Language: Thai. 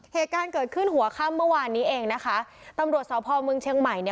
เหตุการณ์เกิดขึ้นหัวค่ำเมื่อวานนี้เองนะคะตำรวจสพเมืองเชียงใหม่เนี่ย